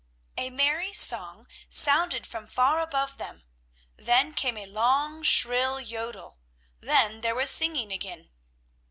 A merry song sounded from far above them; then came a long, shrill yodel; then there was singing again.